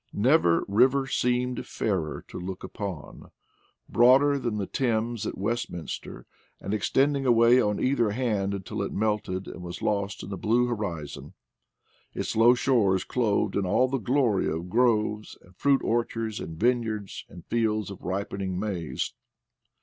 Never river seemed fairer to look upon: broader than the Thames at Westminster, and extending away on either hand until it melted and was lost in the blue horizon, its low shores clothed in all the glory of groves and fruit orchards and vineyards and fields of ripening maize.